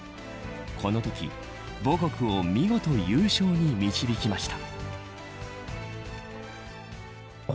このとき母国を見事優勝に導きました。